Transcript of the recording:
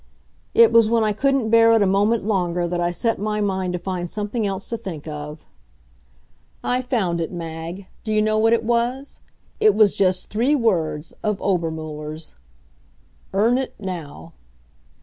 It was when I couldn't bear it a moment longer that I set my mind to find something else to think of. I found it, Mag. Do you know what it was? It was just three words of Obermuller's: "Earn it now."